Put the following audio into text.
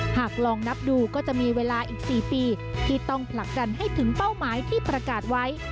หากลองนับดูก็จะมีเวลาอีก๔ปีที่ต้องผลักดันให้ถึงเป้าหมายที่ประกาศไว้